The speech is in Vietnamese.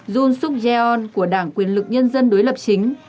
jun suk yeon của đảng quyền lực nhân dân đối lập chính